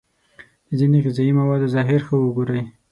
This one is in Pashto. د ځینو غذايي موادو ظاهر ښه وگورئ.